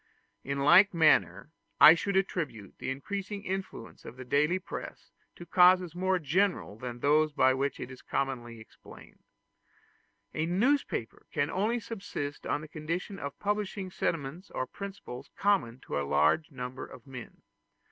] In like manner I should attribute the increasing influence of the daily press to causes more general than those by which it is commonly explained. A newspaper can only subsist on the condition of publishing sentiments or principles common to a large number of men.